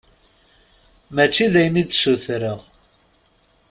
Mačči d ayen i d-sutreɣ.